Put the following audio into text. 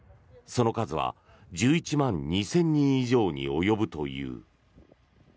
その数は１１万２０００人以上に及ぶという。